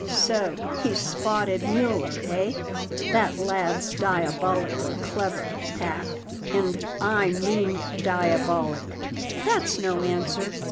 "So he's spotted Mueller, eh? That lad's diabolically clever, Pat and I mean diabolic." "That's no answer!"